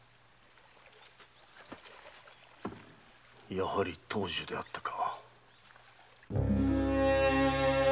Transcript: やはり藤十であったか。